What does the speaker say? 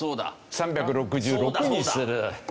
３６６にする。